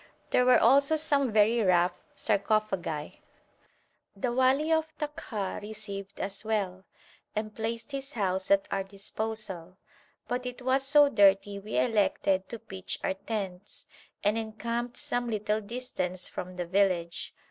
There were also some very rough sarcophagi. The wali of Takha received us well, and placed his house at our disposal, but it was so dirty we elected to pitch our tents, and encamped some little distance from the village.